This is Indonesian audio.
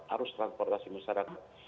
arus transportasi masyarakat